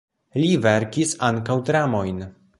Li verkis ankaŭ dramojn.